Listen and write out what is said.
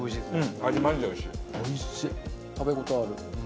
食べ応えある。